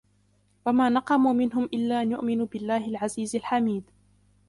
وما نقموا منهم إلا أن يؤمنوا بالله العزيز الحميد